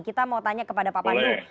kita mau tanya kepada pak pandu